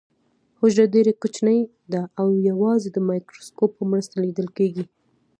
حجره ډیره کوچنۍ ده او یوازې د مایکروسکوپ په مرسته لیدل کیږي